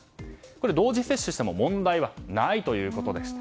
同時接種しても問題はないということでした。